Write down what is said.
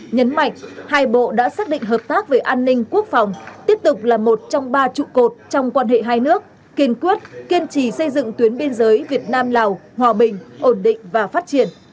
nhấn mạnh hai bộ đã xác định hợp tác về an ninh quốc phòng tiếp tục là một trong ba trụ cột trong quan hệ hai nước kiên quyết kiên trì xây dựng tuyến biên giới việt nam lào hòa bình ổn định và phát triển